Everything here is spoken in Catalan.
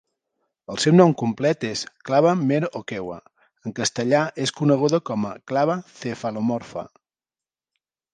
El seu nom complet és "clava mer okewa"; en castellà, és coneguda com a "clava cefalomorfa".